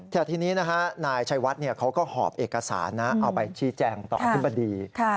แถวนี้นายชัยวัดเขาก็หอบเอกสารเอาไปชี้แจ้งต่ออธิบดี